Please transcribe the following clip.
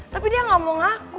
tapi dia gak mau ngaku